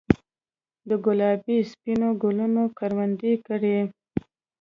دګلابي ، سپینو ګلونو کروندې کرې